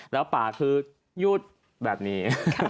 แล้วป่าคือยุดแบบนี้